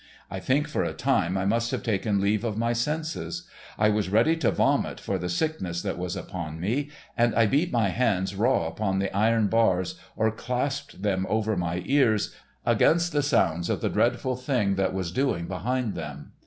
I think for a time I must have taken leave of my senses. I was ready to vomit for the sickness that was upon me, and I beat my hands raw upon the iron bars or clasped them over my ears, against the sounds of the dreadful thing that was doing behind them.